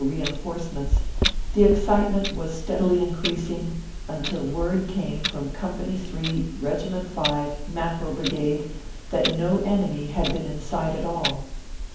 reenforce ments, the excitement was steadily increasing, until word came from Company 3, Regiment 5, Mackerel Brigade, that no enemy had been in sight at all.